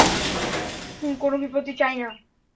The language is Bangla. কোন বিপত্তি চাই না।